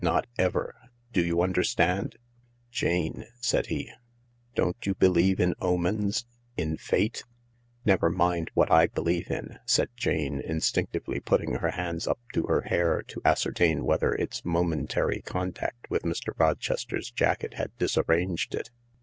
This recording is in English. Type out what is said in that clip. Not ever. Do you understand ?"" Jane," said he, " don't you believe in omens ^in Fate ?" "Never mind what I believe in," said Jane, instinc tively putting her hands up to her hair to ascertain whether its momentary contact with Mr. Rochester's jacket had disarranged it.